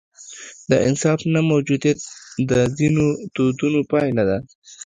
د انصاف نه موجودیت د ځینو دودونو پایله ده.